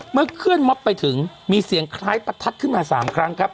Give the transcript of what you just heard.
เคลื่อนม็อบไปถึงมีเสียงคล้ายประทัดขึ้นมา๓ครั้งครับ